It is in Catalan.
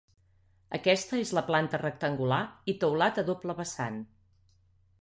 Aquesta és de planta rectangular i teulat a doble vessant.